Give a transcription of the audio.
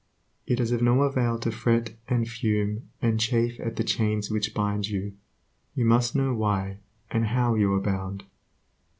It is of no avail to fret and fume and chafe at the chains which bind you; you must know why and how you are bound.